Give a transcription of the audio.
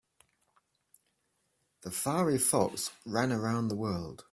The fiery fox ran around the world.